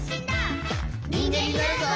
「にんげんになるぞ！」